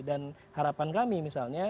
dan harapan kami misalnya